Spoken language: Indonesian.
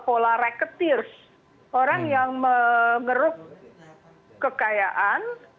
pola reketir orang yang mengeruk kekayaan